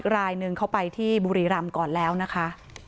รายหนึ่งเขาไปที่บุรีรำก่อนแล้วนะคะ